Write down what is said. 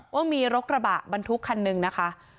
ว่ามีรถกระบะบรรทุกคันหนึ่งนะคะ